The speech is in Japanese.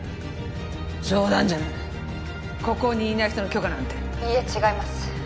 冗談じゃないここにいない人の許可なんていいえ違います